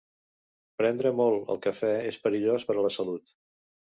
Prendre molt el cafè és perillós per a la salut.